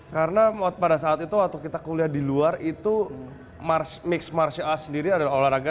karena pada saat itu waktu kita kuliah di luar itu mix martial arts sendiri adalah olahraga